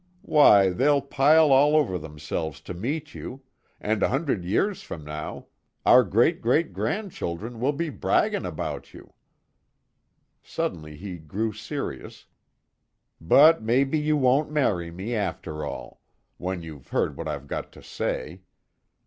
Why, they'll pile all over themselves to meet you and a hundred years from now our great grand children will be bragging about you!" Suddenly, he grew serious, "But maybe you won't marry me, after all when you've heard what I've got to say.